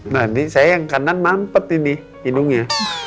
nah ini saya yang kanan mampet nih hidungnya